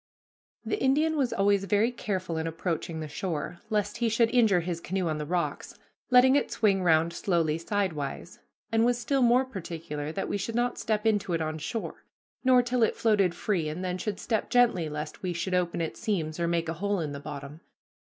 The Indian was always very careful in approaching the shore, lest he should injure his canoe on the rocks, letting it swing round slowly sidewise, and was still more particular that we should not step into it on shore, nor till it floated free, and then should step gently lest we should open its seams, or make a hole in the bottom.